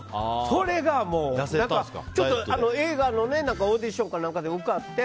それが映画のオーディションか何かで受かって。